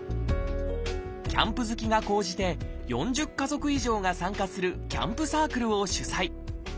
キャンプ好きが高じて４０家族以上が参加するキャンプサークルを主宰。